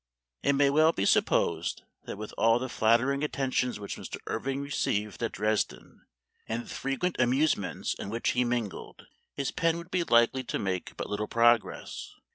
It may well be supposed that with all the flattering attentions which Mr. Irving received at Dresden, and the frequent amusements in which he mingled, his pen would be likely to make but little progress.